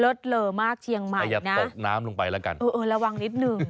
เลอมากเชียงใหม่ขยับตกน้ำลงไปแล้วกันเออเออระวังนิดหนึ่ง